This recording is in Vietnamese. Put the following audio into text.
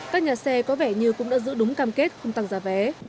các nhà xe có vẻ như cũng đã giữ đúng cam kết không tăng giá vé